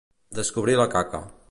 Descobrir la caca.